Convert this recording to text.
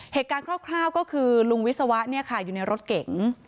เหตุการณ์ครอบคร่าวก็คือลุงวิศวะเนี่ยค่ะอยู่ในรถเก๋ง